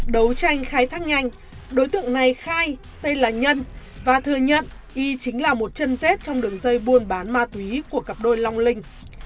đấu tranh khai thác nhanh đối tượng này khai tên là nhân và thừa nhận y chính là một chân rết trong đường dây buôn bán ma túy của cặp đôi long linh